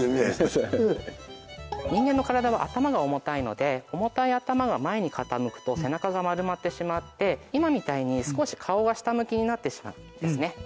人間の体は頭が重たいので重たい頭が前に傾くと背中が丸まってしまって今みたいに少し顔が下向きになってしまうんですね。